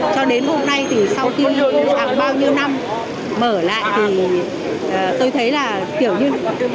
cho đến hôm nay thì sau khi bao nhiêu năm mở lại thì tôi thấy là kiểu như